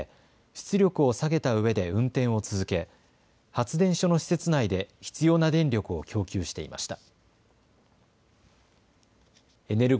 出力を下げたうえで運転を続け発電所の施設内で必要な電力を供給していました。